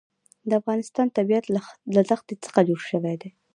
د افغانستان طبیعت له ښتې څخه جوړ شوی دی.